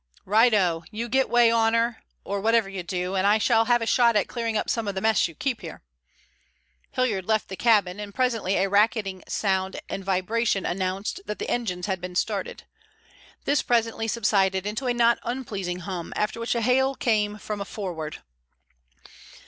"Right o. You get way on her, or whatever you do, and I shall have a shot at clearing up some of the mess you keep here." Hilliard left the cabin, and presently a racketing noise and vibration announced that the engines had been started. This presently subsided into a not unpleasing hum, after which a hail came from forward.